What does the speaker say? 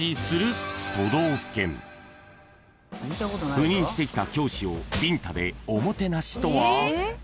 ［赴任してきた教師をビンタでおもてなしとは？］